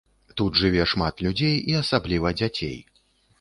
Тут жыве шмат людзей і асабліва дзяцей.